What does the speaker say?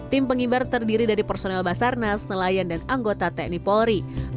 tim pengibar terdiri dari personel basarnas nelayan dan anggota tni polri